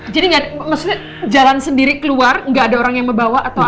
jadi maksudnya jalan sendiri keluar gak ada orang yang membawa atau apa